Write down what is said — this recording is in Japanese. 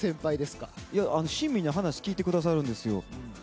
親身に話を聞いてくださるんです。